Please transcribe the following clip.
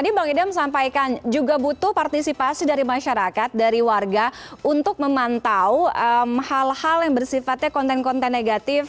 saya ingin menyampaikan juga butuh partisipasi dari masyarakat dari warga untuk memantau hal hal yang bersifatnya konten konten negatif